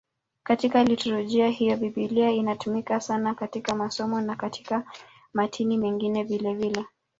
Katika liturujia hiyo Biblia inatumika sana katika masomo na katika matini mengine vilevile.